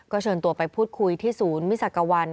เชิญตัวไปพูดคุยที่ศูนย์มิสักวัน